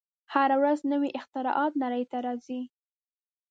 هره ورځ نوې اختراعات نړۍ ته راځي.